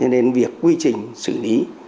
nên việc quy trình xử lý